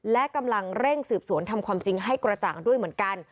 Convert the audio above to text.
และกำลังเร่งสืบสวนทำความจริงให้กระจ่างด้วยเหมือนกัน